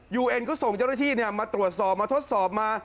เอ็นก็ส่งเจ้าหน้าที่มาตรวจสอบมาทดสอบมา